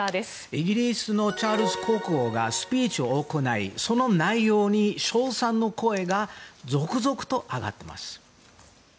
イギリスのチャールズ国王がスピーチを行いその内容に称賛の声が続々と上がっています。